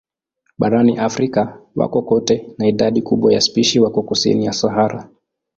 Barani Afrika wako kote na idadi kubwa ya spishi wako kusini ya Sahara.